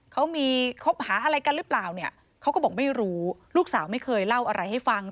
เขามีคบหาอะไรกันหรือเปล่าเนี่ยเขาก็บอกไม่รู้ลูกสาวไม่เคยเล่าอะไรให้ฟัง